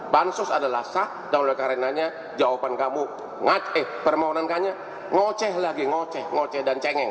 bansos adalah sah dan oleh karenanya jawaban kamu ngaceh permohonan kami ngoceh lagi ngoceh ngoceh dan cengeng